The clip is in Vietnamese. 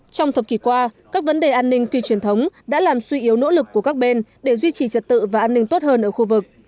trong thập kỷ qua các vấn đề an ninh phi truyền thống đã làm suy yếu nỗ lực của các bên để duy trì trật tự và an ninh tốt hơn ở khu vực